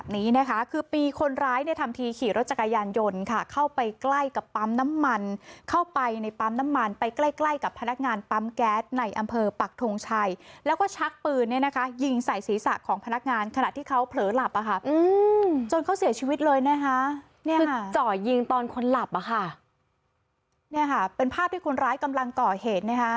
นี่ค่ะคือเจาะยิงตอนคนหลับอ่ะค่ะนี่ค่ะเป็นภาพที่คนร้ายกำลังก่อเหตุนะคะ